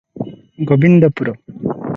Gobindpur.